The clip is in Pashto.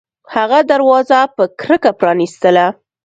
هغه دروازه په کرکه پرانیستله